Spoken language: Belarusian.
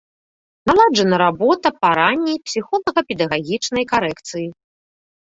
Наладжана работа па ранняй псіхолага-педагагічнай карэкцыі.